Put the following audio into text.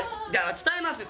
伝えますよ。